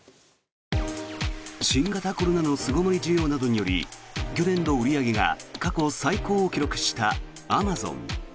新型コロナの巣ごもり需要などにより去年の売り上げが過去最高を記録したアマゾン。